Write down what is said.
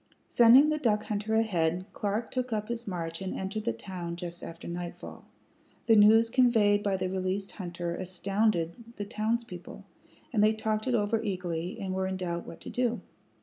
Sending the duck hunter ahead, Clark took up his march and entered the town just after nightfall. The news conveyed by the released hunter astounded the townspeople, and they talked it over eagerly, and were in doubt what to do.